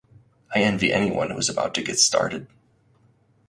I envy anyone who’s about to get started.